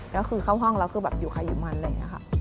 แล้วก็คือเข้าห้องเราคืออยู่ค่ายืมม่านเลย